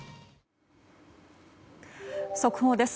速報です。